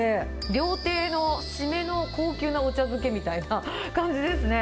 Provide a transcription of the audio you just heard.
料亭の締めの高級なお茶漬けみたいな感じですね。